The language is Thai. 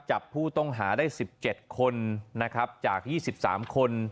จับผู้ต้องหาได้๑๗คนนะครับจาก๒๓คน